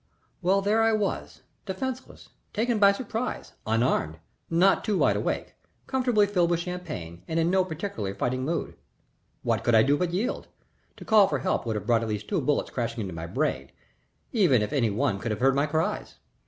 Well, there I was. Defenceless, taken by surprise, unarmed, not too wide awake, comfortably filled with champagne and in no particularly fighting mood. What could I do but yield? To call for help would have brought at least two bullets crashing into my brain, even if any one could have heard my cries.